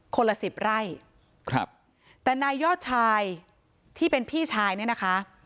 ละสิบไร่ครับแต่นายยอดชายที่เป็นพี่ชายเนี่ยนะคะ